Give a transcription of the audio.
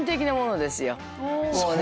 もうね